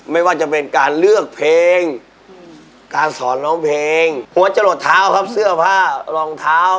ไม่ว่าจะเป็นการเลือกเพลงการสอนร้องเพลงหัวจะหลดเท้าครับเสื้อผ้ารองเท้า